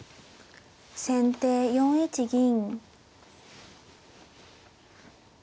先手４一銀。